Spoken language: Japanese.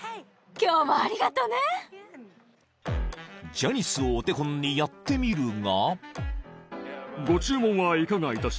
［ジャニスをお手本にやってみるが］